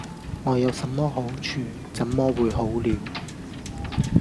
我有什麼好處，怎麼會「好了」？